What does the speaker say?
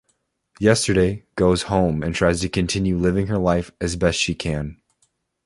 Yesterday goes home and tries to continue living her life as best she can.